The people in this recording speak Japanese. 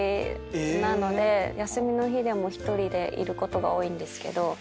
休みの日でも１人でいることが多いんですけど。